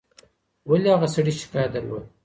ولي هغه سړي شکايت درلود؟